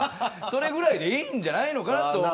それぐらいでいいんじゃないのかなと。